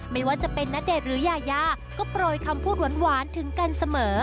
ไม่ว่าจะเป็นณเดชน์หรือยายาก็โปรยคำพูดหวานถึงกันเสมอ